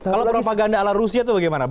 kalau propaganda ala rusia itu bagaimana